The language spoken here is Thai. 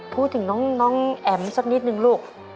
พูดถึงน้องแอ๋มสักนิดนึงลูก